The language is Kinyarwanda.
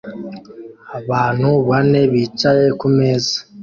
Abantu bane bicaye kumeza